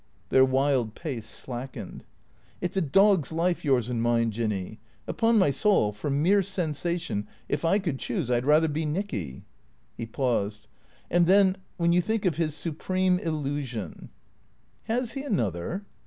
Their wild pace slackened. " It 's a dog's life, 3fours and mine. Jinny. Upon my soul, for mere sensation, if I could choose I 'd rather be Nicky." He paused. " And then — wheii you think of his supreme illusion "" Has he another